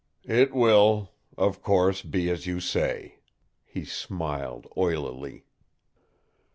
"It will, of course, be as you say." He smiled oilily.